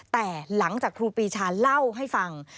แต่หลังจากครูปีชาเล่าให้ฟัง